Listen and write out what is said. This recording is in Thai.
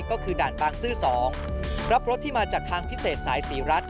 ก็คือด่านบางซื่อ๒รับรถที่มาจากทางพิเศษสายศรีรัฐ